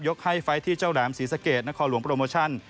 ให้ไฟล์ที่เจ้าแหลมศรีสะเกดนครหลวงโปรโมชั่น